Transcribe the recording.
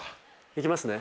いきますね。